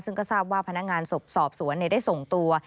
ซึ่งก็ทราบว่าพนักงานสอบสวนได้ส่งตัว